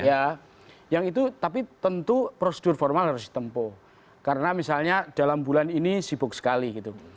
ya yang itu tapi tentu prosedur formal harus ditempuh karena misalnya dalam bulan ini sibuk sekali gitu